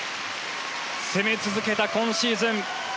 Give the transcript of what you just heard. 攻め続けた今シーズン。